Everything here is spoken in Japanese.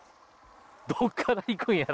どっから行くんやろ？